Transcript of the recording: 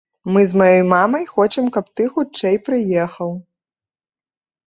Мы з маёй мамай хочам, каб ты хутчэй прыехаў.